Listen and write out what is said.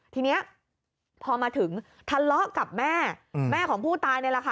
ทีนี้พอมาถึงทะเลาะกับแม่แม่ของผู้ตายนี่แหละค่ะ